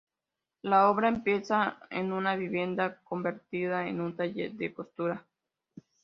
La obra empieza en una vivienda, convertida en un taller de costura.